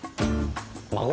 まご？